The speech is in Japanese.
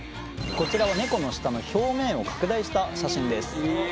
こちらはネコの舌の表面を拡大した写真です。